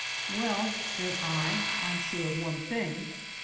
"Well," said I, "I'm sure of one thing.